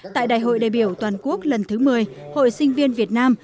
tại đại hội đại biểu toàn quốc lần thứ một mươi hội sinh viên việt nam